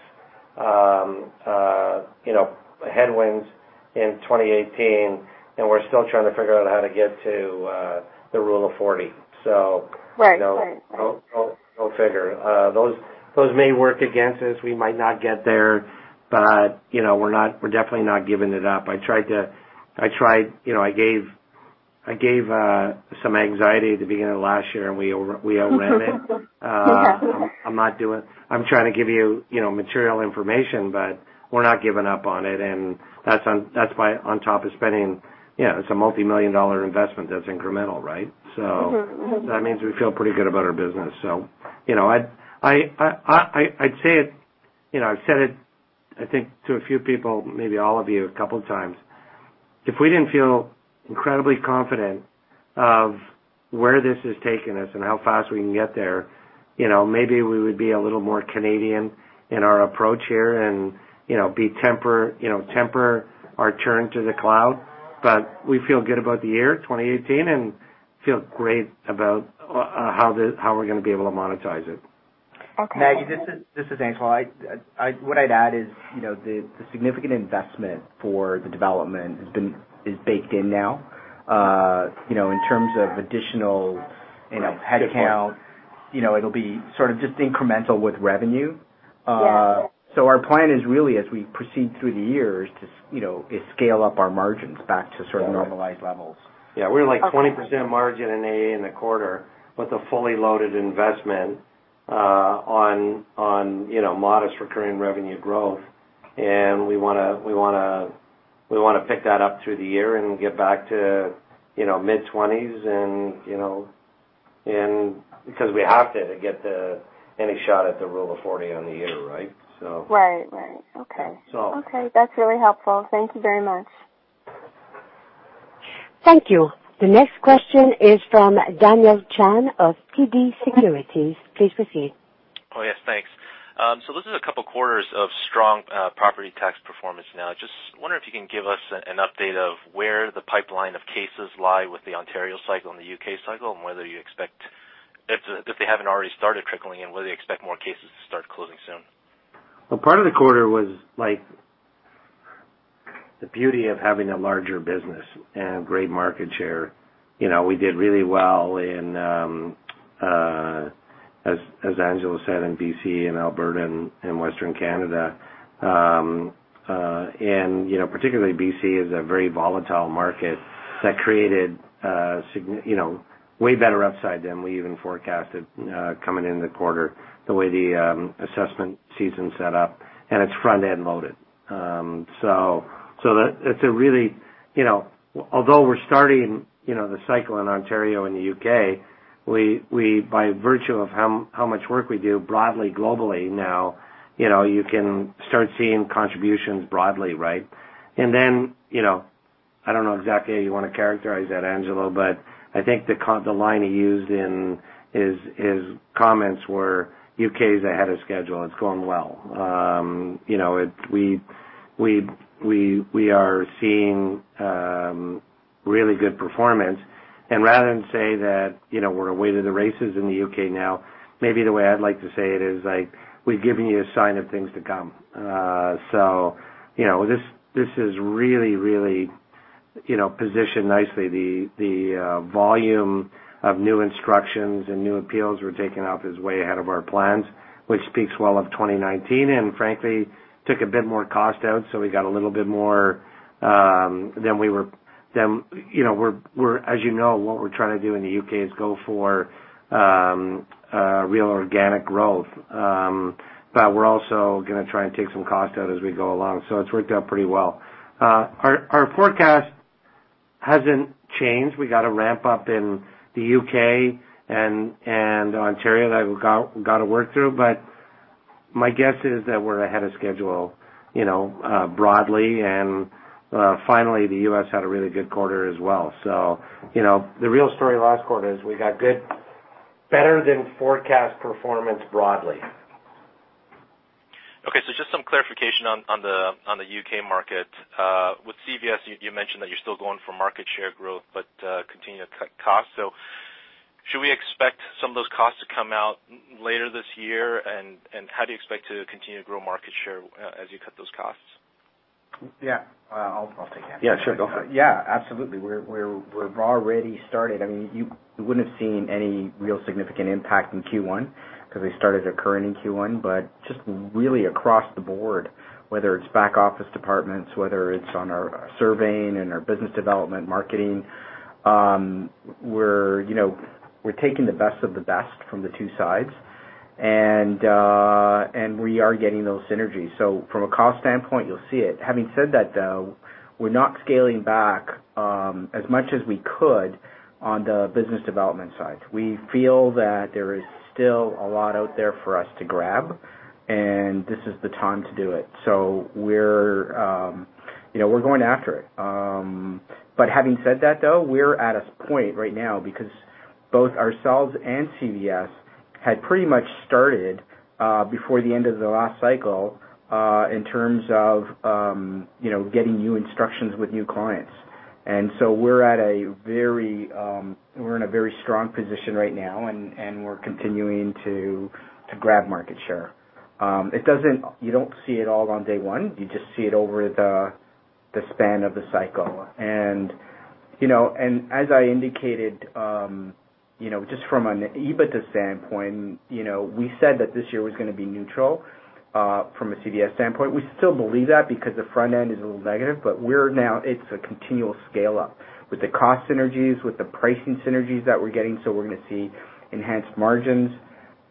headwinds in 2018, and we're still trying to figure out how to get to the Rule of 40. Right go figure. Those may work against us. We might not get there, but we're definitely not giving it up. I gave some anxiety at the beginning of last year, we outran it. Yeah. I'm trying to give you material information, but we're not giving up on it. That's why on top of spending, it's a multimillion-dollar investment that's incremental, right? That means we feel pretty good about our business. I've said it, I think, to a few people, maybe all of you a couple of times. If we didn't feel incredibly confident of where this is taking us and how fast we can get there, maybe we would be a little more Canadian in our approach here and temper our turn to the cloud. We feel good about the year 2018 and feel great about how we're going to be able to monetize it. Okay. Maggie, this is Angelo. What I'd add is, the significant investment for the development is baked in now. In terms of additional headcount Yeah. It'll be sort of just incremental with revenue. Yes. Our plan is really, as we proceed through the years, to scale up our margins back to certain normalized levels. Yeah. We're like 20% margin in AA in the quarter with a fully loaded investment on modest recurring revenue growth. We want to pick that up through the year and get back to mid-20s, because we have to get any shot at the rule of 40 on the year, right? Right. Okay. So. Okay. That's really helpful. Thank you very much. Thank you. The next question is from Daniel Chan of TD Securities. Please proceed. Yes. Thanks. This is a couple of quarters of strong property tax performance now. I just wonder if you can give us an update of where the pipeline of cases lie with the Ontario cycle and the U.K. cycle, and if they haven't already started trickling in, whether you expect more cases to start closing soon. Part of the quarter was the beauty of having a larger business and great market share. We did really well in, as Angelo said, in B.C. and Alberta and Western Canada. Particularly B.C. is a very volatile market that created way better upside than we even forecasted coming into the quarter, the way the assessment season set up, and it's front-end loaded. Although we're starting the cycle in Ontario and the U.K., by virtue of how much work we do broadly globally now, you can start seeing contributions broadly, right? I don't know exactly how you want to characterize that, Angelo, but I think the line he used in his comments were, U.K. is ahead of schedule. It's going well. We are seeing really good performance, and rather than say that we're away to the races in the U.K. now, maybe the way I'd like to say it is, we're giving you a sign of things to come. This is really positioned nicely. The volume of new instructions and new appeals we're taking up is way ahead of our plans, which speaks well of 2019 and frankly, took a bit more cost out, we got a little bit more. As you know, what we're trying to do in the U.K. is go for real organic growth. We're also going to try and take some cost out as we go along. It's worked out pretty well. Our forecast hasn't changed. We got to ramp up in the U.K. and Ontario that we've got to work through, but my guess is that we're ahead of schedule broadly. Finally, the U.S. had a really good quarter as well. The real story last quarter is we got better than forecast performance broadly. Just some clarification on the U.K. market. With CVS, you mentioned that you're still going for market share growth, but continue to cut costs. Should we expect some of those costs to come out later this year? How do you expect to continue to grow market share as you cut those costs? I'll take it. Sure. Go for it. Absolutely. We're already started. You wouldn't have seen any real significant impact in Q1 because they started occurring in Q1. Just really across the board, whether it's back office departments, whether it's on our surveying and our business development, marketing, we're taking the best of the best from the two sides, and we are getting those synergies. From a cost standpoint, you'll see it. Having said that, though, we're not scaling back as much as we could on the business development side. We feel that there is still a lot out there for us to grab, and this is the time to do it. We're going after it. Having said that, though, we're at a point right now because both ourselves and CVS had pretty much started before the end of the last cycle in terms of getting new instructions with new clients. We're in a very strong position right now, and we're continuing to grab market share. You don't see it all on day one. You just see it over the span of the cycle. As I indicated, just from an EBITDA standpoint, we said that this year was going to be neutral from a CVS standpoint. We still believe that because the front end is a little negative, but it's a continual scale-up with the cost synergies, with the pricing synergies that we're getting, so we're going to see enhanced margins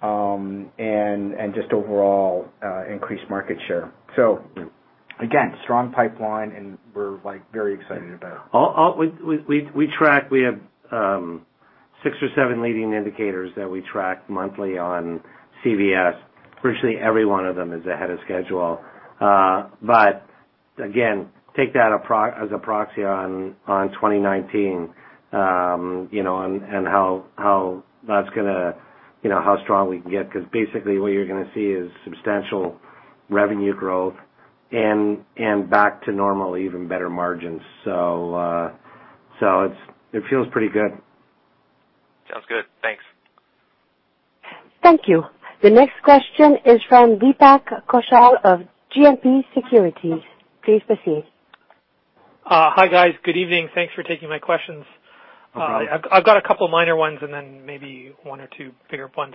and just overall increased market share. Again, strong pipeline, and we're very excited about it. We have six or seven leading indicators that we track monthly on CVS. Virtually every one of them is ahead of schedule. Again, take that as a proxy on 2019, and how strong we can get, because basically what you're going to see is substantial revenue growth and back to normal, even better margins. It feels pretty good. Sounds good. Thanks. Thank you. The next question is from Deepak Kaushal of GMP Securities. Please proceed. Hi, guys. Good evening. Thanks for taking my questions. I've got a couple minor ones and then maybe one or two bigger ones.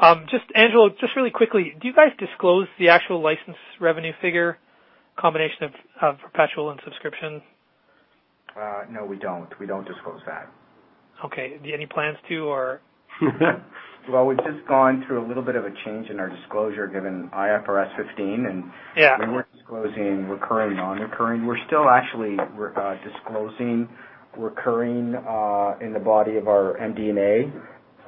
Angelo, just really quickly, do you guys disclose the actual license revenue figure, combination of perpetual and subscription? No, we don't. We don't disclose that. Okay. Any plans to, or? We've just gone through a little bit of a change in our disclosure, given IFRS 15. Yeah We're disclosing recurring, non-recurring, we're still actually disclosing recurring in the body of our MD&A.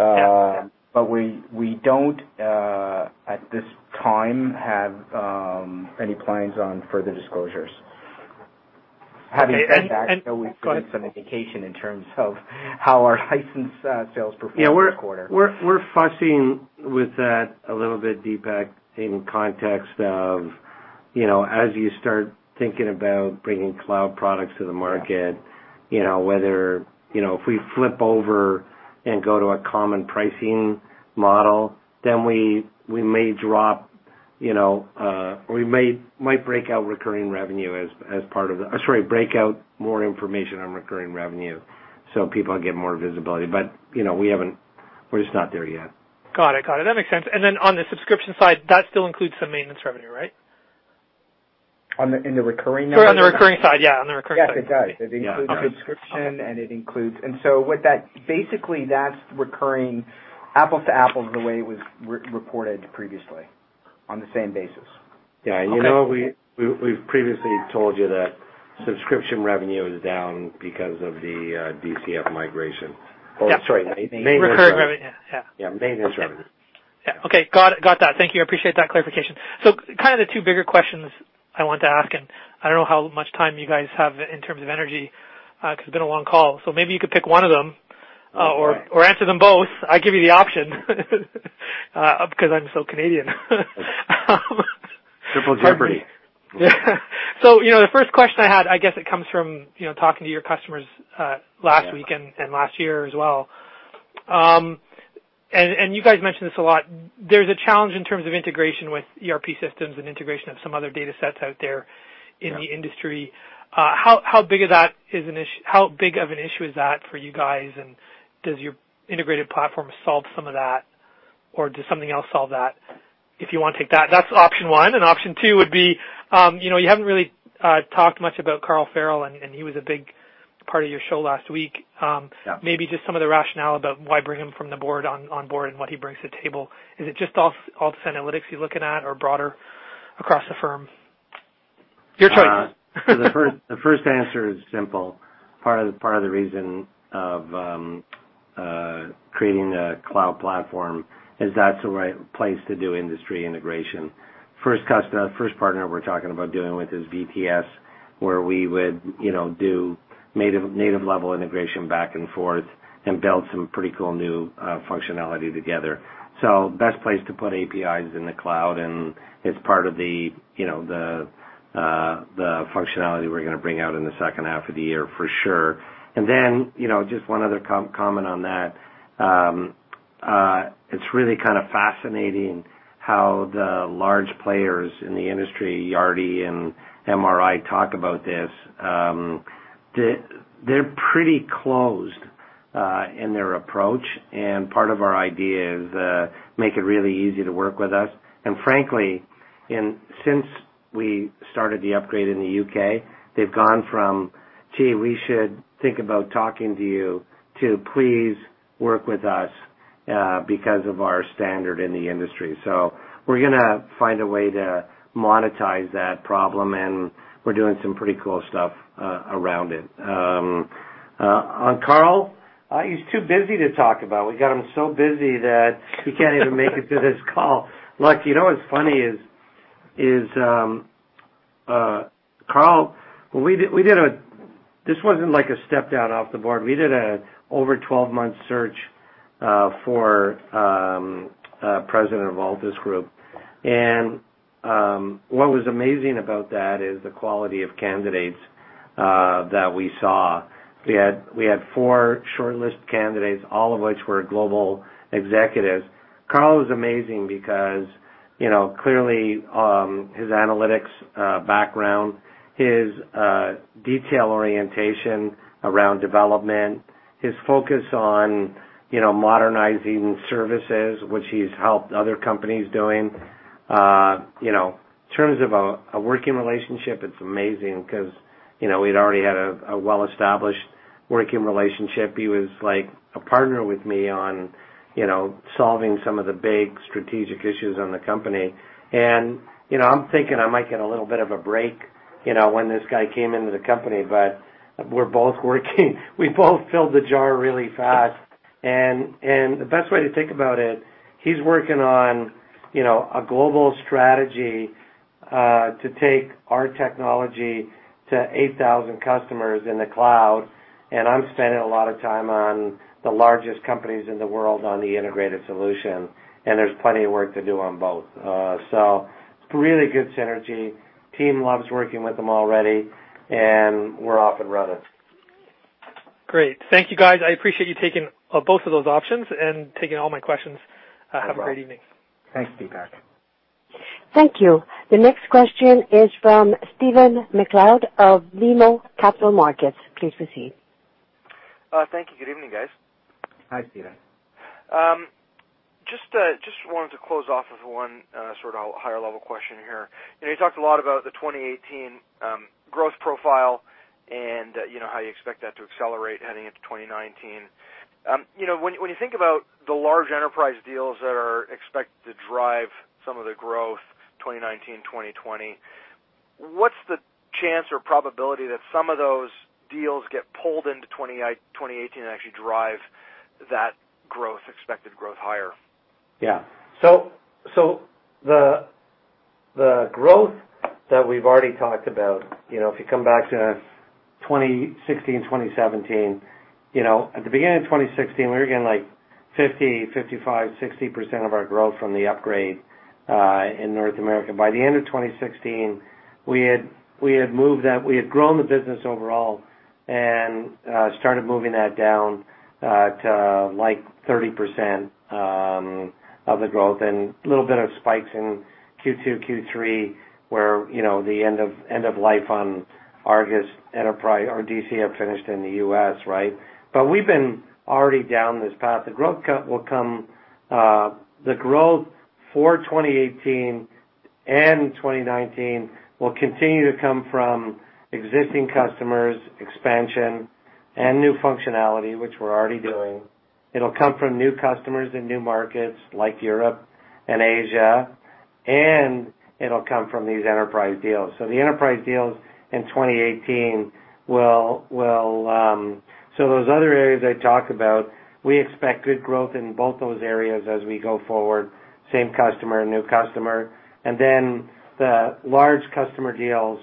Yeah. We don't, at this time, have any plans on further disclosures. Go ahead. we've given some indication in terms of how our license sales performed this quarter. We're fussing with that a little bit, Deepak, in context of, as you start thinking about bringing cloud products to the market, whether if we flip over and go to a common pricing model, then we may drop, or we might break out more information on recurring revenue so people get more visibility. We're just not there yet. Got it. That makes sense. Then on the subscription side, that still includes some maintenance revenue, right? In the recurring revenue? Sorry, on the recurring side. Yeah, on the recurring side. Yes, it does. Yeah. It includes subscription. Basically, that's recurring apples to apples the way it was reported previously, on the same basis. Yeah. Okay. You know we've previously told you that subscription revenue is down because of the DCF migration. Oh, sorry, maintenance. Recurring revenue. Yeah. Yeah, maintenance revenue. Yeah. Okay. Got that. Thank you. I appreciate that clarification. Kind of the two bigger questions I want to ask, and I don't know how much time you guys have in terms of energy, because it's been a long call. Maybe you could pick one of them or answer them both. I give you the option because I'm so Canadian. Triple jeopardy. Yeah. The first question I had, I guess it comes from talking to your customers last week and last year as well. You guys mentioned this a lot. There's a challenge in terms of integration with ERP systems and integration of some other data sets out there in the industry. Yeah. How big of an issue is that for you guys, does your integrated platform solve some of that, or does something else solve that? If you want to take that's option one. Option two would be, you haven't really talked much about Carl Farrell, and he was a big part of your show last week. Yeah. Maybe just some of the rationale about why bring him from the board on board, what he brings to the table. Is it just Altus Analytics you're looking at, or broader across the firm? Your choice. The first answer is simple. Part of the reason of creating a cloud platform is that's the right place to do industry integration. First partner we're talking about dealing with is VTS, where we would do native-level integration back and forth and build some pretty cool new functionality together. Best place to put APIs is in the cloud, and it's part of the functionality we're going to bring out in the second half of the year for sure. Just one other comment on that. It's really kind of fascinating how the large players in the industry, Yardi and MRI, talk about this. They're pretty closed in their approach, and part of our idea is make it really easy to work with us. Frankly, since we started the upgrade in the U.K., they've gone from, "Gee, we should think about talking to you," to, "Please work with us because of our standard in the industry." We're going to find a way to monetize that problem, and we're doing some pretty cool stuff around it. On Carl, he's too busy to talk about. We got him so busy that he can't even make it to this call. Look, you know what's funny is, Carl. This wasn't like a stepdown off the board. We did an over 12-month search for president of Altus Group. What was amazing about that is the quality of candidates that we saw. We had four shortlist candidates, all of which were global executives. Carl was amazing because, clearly, his analytics background, his detail orientation around development, his focus on modernizing services, which he's helped other companies doing. In terms of a working relationship, it's amazing because we'd already had a well-established working relationship. He was like a partner with me on solving some of the big strategic issues on the company. I'm thinking I might get a little bit of a break when this guy came into the company, but we're both working. We both filled the jar really fast. The best way to think about it, he's working on a global strategy to take our technology to 8,000 customers in the cloud, and I'm spending a lot of time on the largest companies in the world on the integrated solution, and there's plenty of work to do on both. Really good synergy. Team loves working with him already, and we're off and running. Great. Thank you, guys. I appreciate you taking both of those options and taking all my questions. No problem. Have a great evening. Thanks, Deepak. Thank you. The next question is from Stephen MacLeod of BMO Capital Markets. Please proceed. Thank you. Good evening, guys. Hi, Stephen. Just wanted to close off with one sort of higher-level question here. You talked a lot about the 2018 growth profile and how you expect that to accelerate heading into 2019. When you think about the large enterprise deals that are expected to drive some of the growth 2019, 2020, what's the chance or probability that some of those deals get pulled into 2018 and actually drive that expected growth higher? Yeah. The growth that we've already talked about, if you come back to 2016, 2017, at the beginning of 2016, we were getting 50%, 55%, 60% of our growth from the upgrade in North America. By the end of 2016, we had grown the business overall and started moving that down to 30% of the growth, and little bit of spikes in Q2, Q3, where the end of life on ARGUS Enterprise or DCF finished in the U.S. We've been already down this path. The growth for 2018 and 2019 will continue to come from existing customers, expansion, and new functionality, which we're already doing. It'll come from new customers and new markets like Europe and Asia, and it'll come from these enterprise deals. Those other areas I talked about, we expect good growth in both those areas as we go forward, same customer, new customer. The large customer deals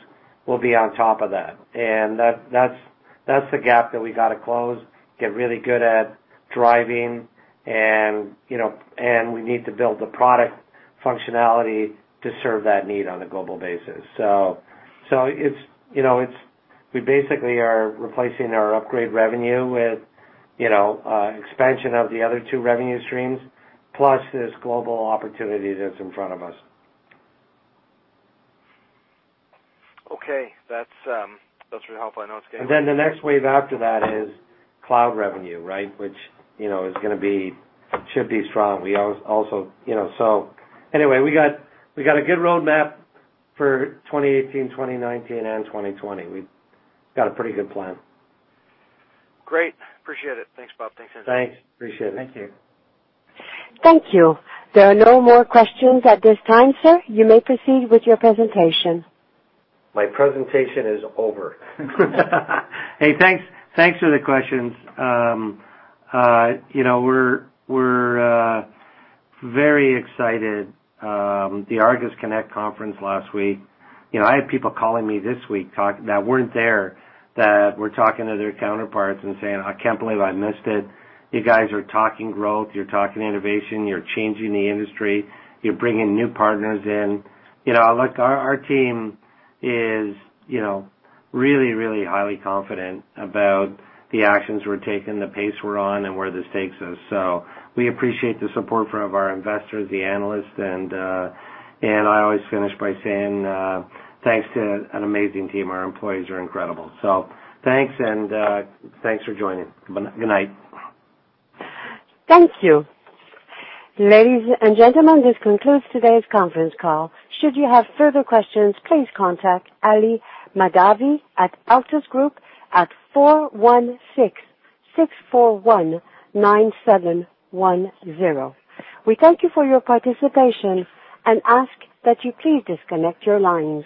will be on top of that. That's the gap that we got to close, get really good at driving, and we need to build the product functionality to serve that need on a global basis. We basically are replacing our upgrade revenue with expansion of the other two revenue streams, plus this global opportunity that's in front of us. Okay. That's really helpful. I know it's getting- The next wave after that is cloud revenue, which should be strong. We got a good roadmap for 2018, 2019, and 2020. We've got a pretty good plan. Great. Appreciate it. Thanks, Bob. Thanks, Ali. Thanks. Appreciate it. Thank you. Thank you. There are no more questions at this time, sir. You may proceed with your presentation. My presentation is over. Hey, thanks for the questions. We're very excited. The Altus Connect Conference last week. I had people calling me this week that weren't there, that were talking to their counterparts and saying, "I can't believe I missed it. You guys are talking growth, you're talking innovation, you're changing the industry. You're bringing new partners in." Look, our team is really, really highly confident about the actions we're taking, the pace we're on, and where this takes us. We appreciate the support from our investors, the analysts, and I always finish by saying thanks to an amazing team. Our employees are incredible. Thanks, and thanks for joining. Good night. Thank you. Ladies and gentlemen, this concludes today's conference call. Should you have further questions, please contact Ali Mahdavi at Altus Group at 416-641-9710. We thank you for your participation and ask that you please disconnect your lines.